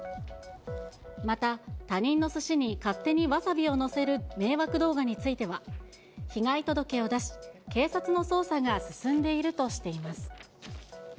また、他人のすしに勝手にわさびを載せる迷惑動画については、被害届を出し、警察の捜査が進んでいるとしています。